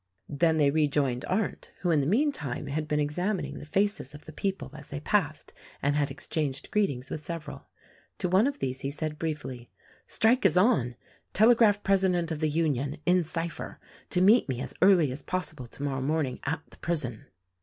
Then they rejoined Arndt, who, in the meantime, had been examining the faces of the people as they passed and had exchanged greetings with several. To one of these he said briefly, "Strike is on! Telegraph President of the Union — in cypher — to meet me as early as possible tomor row morning at the prison."